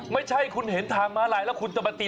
ไม่ใช่คุณเห็นทางม้าลายแล้วคุณจะมาตี